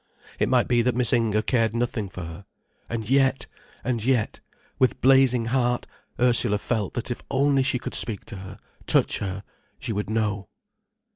It might be that Miss Inger cared nothing for her. And yet, and yet, with blazing heart, Ursula felt that if only she could speak to her, touch her, she would know.